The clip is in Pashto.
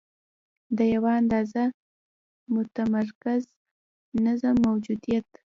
د یوه اندازه متمرکز نظم موجودیت.